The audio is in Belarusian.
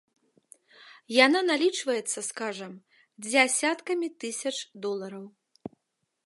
Яна налічваецца, скажам, дзясяткамі тысяч долараў.